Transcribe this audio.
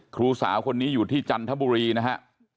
ครูสาวคนนี้อยู่ที่จันทบุรีนะฮะ